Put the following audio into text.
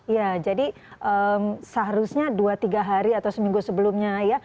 ya jadi seharusnya dua tiga hari atau seminggu sebelumnya ya